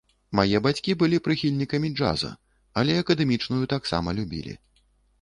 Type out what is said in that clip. Мае бацькі былі прыхільнікамі джаза, але акадэмічную таксама любілі.